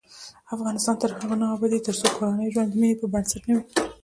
افغانستان تر هغو نه ابادیږي، ترڅو کورنی ژوند د مینې پر بنسټ نه وي.